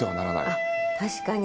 あっ確かに。